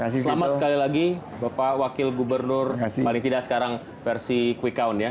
selamat sekali lagi bapak wakil gubernur paling tidak sekarang versi quick count ya